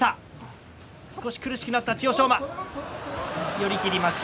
寄り切りました。